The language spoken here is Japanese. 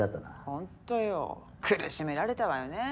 ほんとよ苦しめられたわよねぇ。